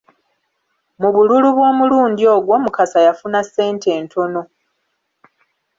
Mu bululu bw'omulundi ogwo Mukasa yafuna ssente ntono.